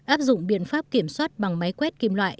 áp dụng biện pháp kiểm soát bằng máy quét kim loại